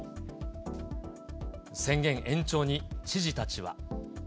宣言延長に、知事たちは。